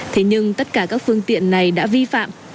thế nhưng tất cả các phương tiện này đã vi phạm